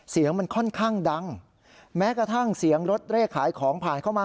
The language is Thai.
เสียงมันค่อนข้างดังแม้กระทั่งเสียงรถเลขขายของผ่านเข้ามา